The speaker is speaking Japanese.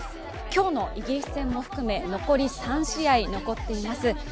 今日のイギリス戦も含め、３試合残っています。